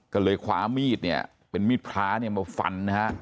ก็เลยคว้ามีดเป็นมีดพระมาฝัน